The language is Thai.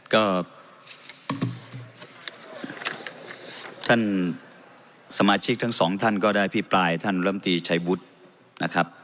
ก็ท่านสมาชิกทั้งสองท่านก็ได้พิปรายท่านลำตีชัยวุฒินะครับ